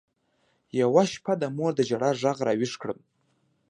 يوه شپه د مور د ژړا ږغ راويښ کړم.